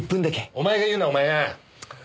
お前が言うなお前が！